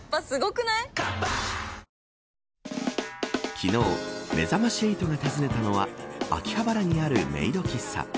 昨日、めざまし８が訪ねたのは秋葉原にあるメイド喫茶。